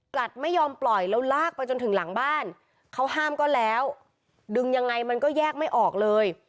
ลัดไม่ยอมปล่อยแล้วลากไปจนถึงหลังบ้านเขาห้ามก็แล้วดึงยังไงมันก็แยกไม่ออกเลย